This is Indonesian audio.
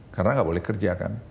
karena nggak boleh kerja kan